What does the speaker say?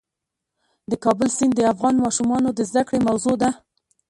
د کابل سیند د افغان ماشومانو د زده کړې موضوع ده.